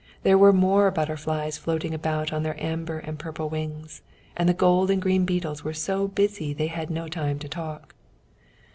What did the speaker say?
There were more butterflies floating about on their amber and purple wings, and the gold and green beetles were so busy they had no time to talk.